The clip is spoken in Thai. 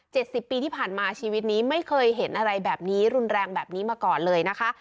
สิบปีที่ผ่านมาชีวิตนี้ไม่เคยเห็นอะไรแบบนี้รุนแรงแบบนี้มาก่อนเลยนะคะ